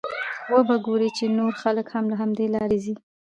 وبه ګورې چې نور خلک هم له همدې لارې ځي.